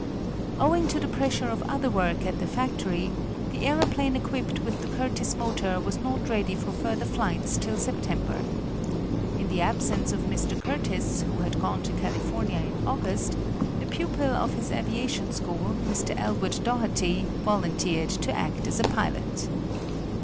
Owing to the pressure of other work at the factory, the aeroplane equipped with the Curtiss motor was not ready for further flights till September. In the absence of Mr. Curtiss, who had gone to California in August, a pupil of his aviation school, Mr. Elwood Doherty, volunteered to act as pilot.